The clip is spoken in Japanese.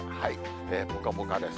ぽかぽかです。